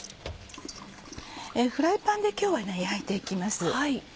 フライパンで今日は焼いて行きます。